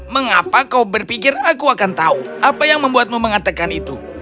mengapa kau berpikir aku akan tahu apa yang membuatmu mengatakan itu